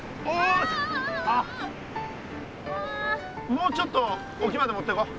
もうちょっとおきまで持ってこう。